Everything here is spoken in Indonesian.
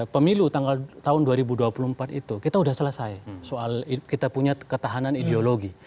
pemilu tahun dua ribu dua puluh empat itu kita sudah selesai soal kita punya ketahanan ideologi